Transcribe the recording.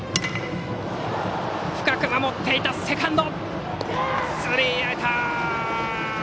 深く守っていたセカンドがとってスリーアウト！